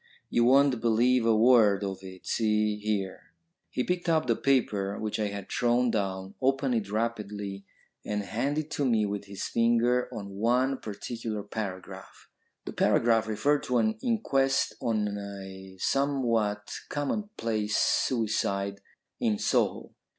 You won't believe a word of it. See here." He picked up the paper which I had thrown down, opened it rapidly, and handed it to me with his finger on one particular paragraph. The paragraph referred to an inquest on a somewhat commonplace suicide in Soho.